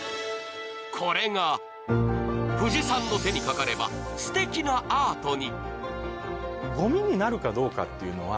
これが藤さんの手にかかれば、すてきなアートに。